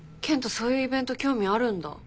そういうイベント興味あるんだ。